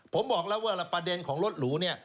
ผมบอกแล้วว่าประเด็นของรถหรูเนี่ย